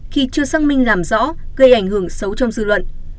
khi chưa xác minh làm rõ gây ảnh hưởng xấu trong dư luận